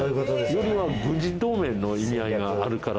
より軍事同盟の意味合いがあるからですね。